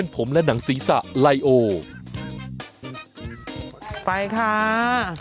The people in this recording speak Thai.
ไปค่ะ